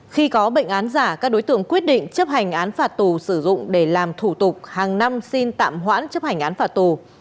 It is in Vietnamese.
khi có bệnh án giả các đối tượng quyết định chấp hành án phạt tù sử dụng để làm thủ tục hàng năm xin tạm hoãn chấp hành án phạt tù